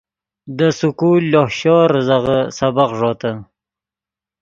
دے سکول لوہ شور ریزغے سبق ݱوتے